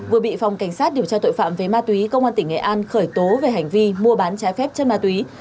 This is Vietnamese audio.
vừa bị phòng cảnh sát điều tra tội phạm về ma túy công an tỉnh nghệ an khởi tố về hành vi mua bán trái phép chất ma túy